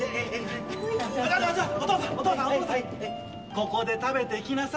ここで食べていきなさい。